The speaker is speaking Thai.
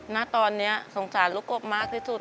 ณตอนนี้สงสารลูกกบมากที่สุด